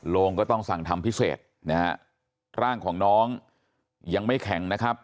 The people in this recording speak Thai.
โรงก็ต้องสั่งทำพิเศษนะฮะร่างของน้องยังไม่แข็งนะครับ